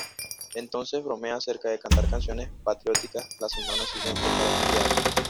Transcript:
Entonces bromea acerca de cantar canciones patrióticas la semana siguiente para expiar.